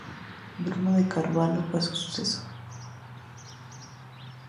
Bruno de Carvalho fue su sucesor.